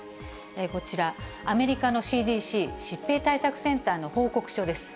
こちら、アメリカのＣＤＣ・疾病対策センターの報告書です。